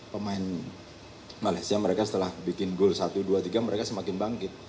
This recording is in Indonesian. pemain malaysia mereka setelah bikin gol satu dua tiga mereka semakin bangkit